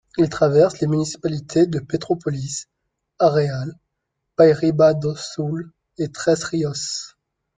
Il traverse les municipalités de Petrópolis, Areal, Paraíba do Sul et Três Rios.